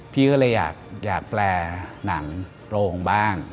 พี่ก็เลยอยากแปลหนังโปรงบ้าง